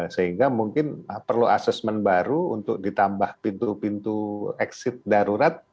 sehingga mungkin perlu assessment baru untuk ditambah pintu pintu exit darurat